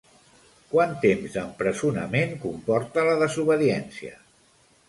Quant temps d'empresonament comporta la desobediència?